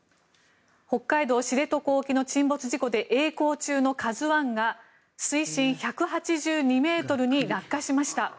北海道・知床沖の沈没事故でえい航中の「ＫＡＺＵ１」が水深１８２ｍに落下しました。